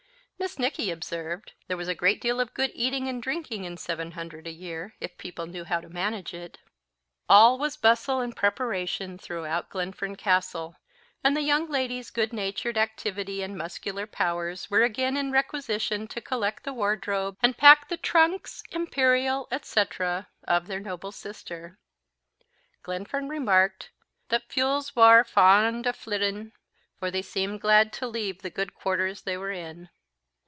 Miss Nicky observed "there was a great deal of good eating and drinking in seven hundred a year, if people knew how to manage it." All was bustle and preparation throughout Glenfern Castle, and the young ladies' good natured activity and muscular powers were again in requisition to collect the wardrobe, and pack the trunks, imperial, etc., of their noble sister. Glenfern remarked "that fules war fond o' flitting, for they seemed glad to leave the good quarters they were in."